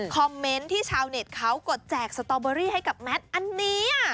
เมนต์ที่ชาวเน็ตเขากดแจกสตอเบอรี่ให้กับแมทอันนี้